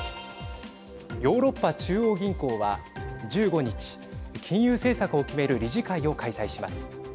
ヨーロッパ中央銀行は１５日金融政策を決める理事会を開催します。